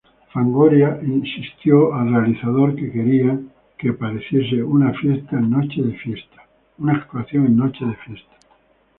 Fangoria insistieron al realizador que querían que pareciese una actuación en Noche de Fiesta.